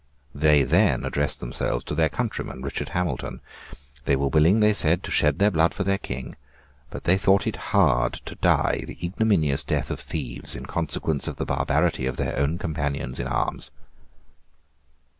They then addressed themselves to their countryman, Richard Hamilton. They were willing, they said, to shed their blood for their King; but they thought it hard to die the ignominious death of thieves in consequence of the barbarity of their own companions in arms.